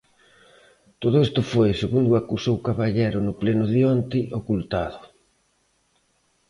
Todo isto foi, segundo acusou Caballero no pleno de onte, ocultado.